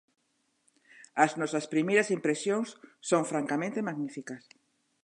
As nosas primeiras impresións son francamente magníficas.